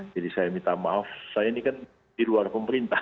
jadi saya minta maaf saya ini kan di luar pemerintah